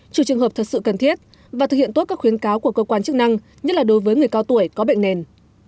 trừ trường hợp thật sự cần thiết và thực hiện tốt các khuyến cáo của cơ quan chức năng nhất là đối với người cao tuổi có bệnh nền